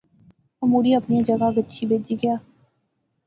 او مڑی اپنیاں جاغا گچھی بہجی گیا